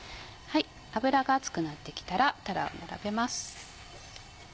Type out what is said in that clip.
油が熱くなってきたらたらを並べます。